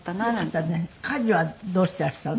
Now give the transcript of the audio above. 家事はどうしていらしたの？